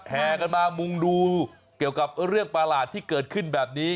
แห่กันมามุงดูเกี่ยวกับเรื่องประหลาดที่เกิดขึ้นแบบนี้